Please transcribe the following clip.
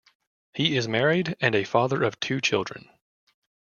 He is married and a father of two children.